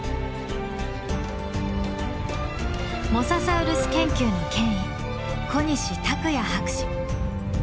モササウルス研究の権威小西卓哉博士。